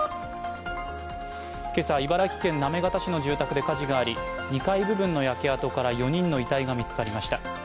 今朝、茨城県行方市の住宅で火事があり２階部分の焼け跡から４人の遺体が見つかりました。